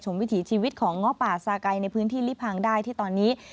วิถีชีวิตของง้อป่าซาไก่ในพื้นที่ลิพังได้ที่ตอนนี้